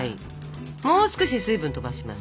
もう少し水分飛ばします。